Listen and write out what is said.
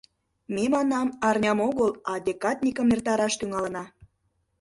— Ме, — манам, — арням огыл, а декадникым эртараш тӱҥалына.